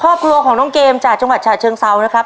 ครอบครัวของน้องเกมจากจังหวัดฉะเชิงเซานะครับ